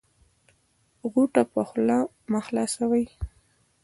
غوټه په خوله مه خلاصوی